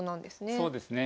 そうですね。